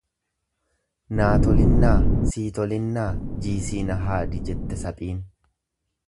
Naa tolinnaa sii tolinnaa jiisii na haadi jette saphiin.